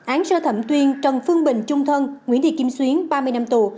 án sơ thẩm tuyên trần phương bình chung thân nguyễn thị kim xuyến ba mươi năm tù